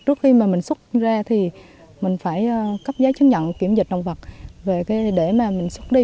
trước khi mình xuất ra thì mình phải cấp giá chứng nhận kiểm dịch động vật để mình xuất đi